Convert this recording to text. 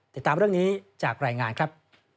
ติดตามเรื่องนี้จากรายงานครับ